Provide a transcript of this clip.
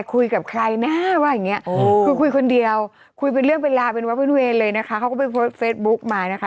คุยเป็นเรื่องเวลาเป็นวระเบิดเวรเลยนะคะเขาไปโพสท์เฟซบุ๊กมันนะคะ